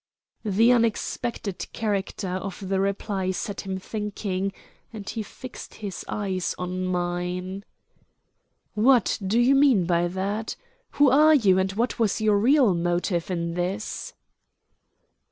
The unexpected character of the reply set him thinking, and he fixed his eyes on mine. "What do you mean by that? Who are you and what was your real motive in this?"